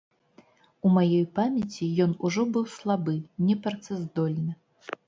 У маёй памяці ён ужо быў слабы, непрацаздольны.